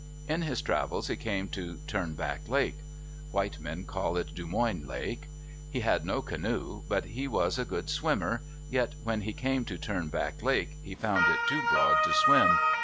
In his travels he came to Turn back Lake. White men call it Dumoine Lake. He had no canoe, but he was a good swimmer, yet when he came to Turn back Lake, he found it too broad to swim.